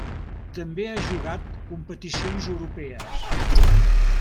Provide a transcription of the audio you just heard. També ha jugat competicions europees.